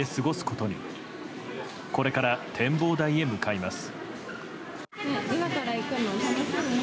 これから展望台へ向かいます。